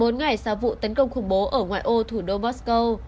bốn ngày sau vụ tấn công khủng bố ở ngoại ô thủ đô moscow